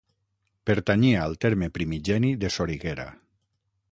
Pertanyia al terme primigeni de Soriguera.